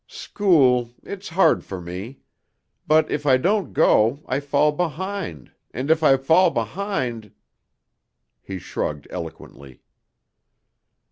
"School, it's hard for me. But if I don't go, I fall behind, and if I fall behind ..." He shrugged eloquently.